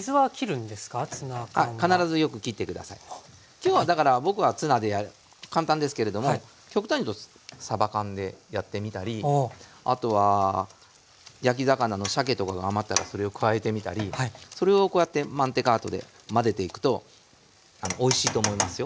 今日はだから僕はツナで簡単ですけれども極端に言うとサバ缶でやってみたりあとは焼き魚のシャケとかが余ったらそれを加えてみたりそれをこうやってマンテカートで混ぜていくとおいしいと思いますよ。